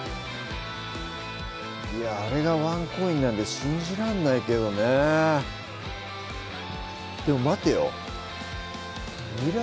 あれがワンコインなんて信じらんないけどねでも待てよまた作るかにら